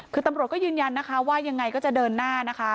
คือตำรวจก็ยืนยันนะคะว่ายังไงก็จะเดินหน้านะคะ